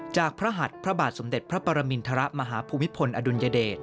พระหัดพระบาทสมเด็จพระปรมินทรมาฮภูมิพลอดุลยเดช